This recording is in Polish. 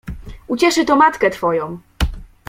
Ucieszy to matkę twoją!